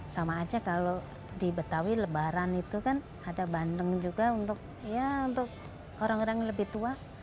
sama aja kalau di betawi lebaran itu kan ada bandeng juga untuk ya untuk orang orang yang lebih tua